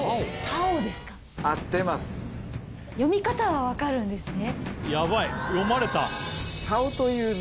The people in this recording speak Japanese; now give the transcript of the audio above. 読み方は分かるんですね。